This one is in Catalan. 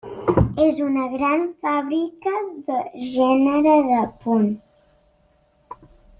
És una gran fàbrica de gènere de punt.